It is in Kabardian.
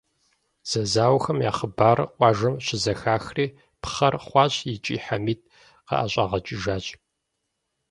Зэзауэхэм я хъыбарыр къуажэм щызэхахри, пхъэр хъуащ икӀи Хьэмид къыӀэщӀагъэкӀыжащ.